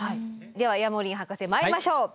ではヤモリン博士まいりましょう。